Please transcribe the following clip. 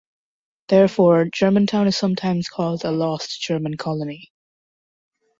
Therefore, Germantown is sometimes called a lost German colony.